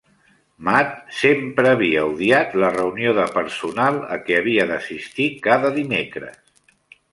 Matt sempre havia odiat la reunió de personal a què havia d'assistir cada dimecres